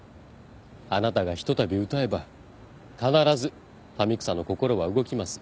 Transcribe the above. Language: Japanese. あなたがひとたび歌えば必ず民草の心は動きます。